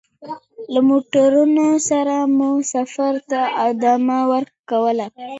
له موټروان سره مو سفر ته ادامه ورکوله.